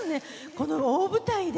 この大舞台で。